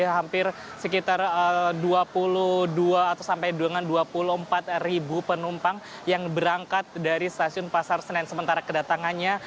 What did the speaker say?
hampir sekitar dua puluh dua atau sampai dengan dua puluh empat ribu penumpang yang berangkat dari stasiun pasar senen sementara kedatangannya